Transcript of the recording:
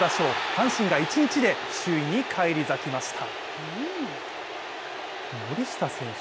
阪神が１日で首位に返り咲きました。